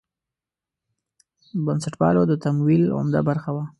د بنسټپالو د تمویل عمده برخه وه.